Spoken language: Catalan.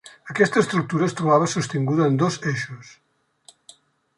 Aquesta estructura es trobava sostinguda en dos eixos.